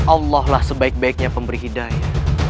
allah lah sebaik baiknya pemberhidayah